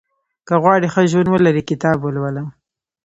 • که غواړې ښه ژوند ولرې، کتاب ولوله.